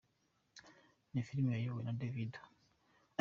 Ni film yayobowe na David O.